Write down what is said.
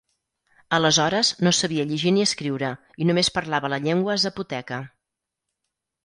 Aleshores, no sabia llegir ni escriure, i només parlava la llengua zapoteca.